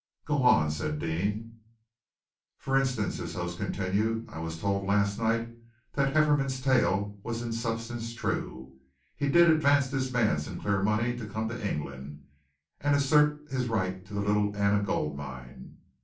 "Go on," said Deane. "For instance," his host continued, "I was told last night that Hefferom's tale was in substance true, he did advance this man Sinclair money to come to England and assert his right to the Little Anna Gold Mine.